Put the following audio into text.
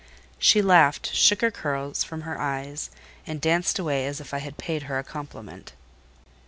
She laughed, shook her curls from her eyes, and danced away as if I had paid her a compliment.